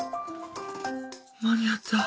間に合った。